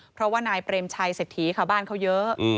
เพราะว่านายเปรมชัยเศรษฐีค่ะบ้านเขาเยอะ